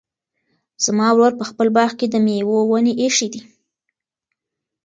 زما ورور په خپل باغ کې د مېوو ونې ایښي دي.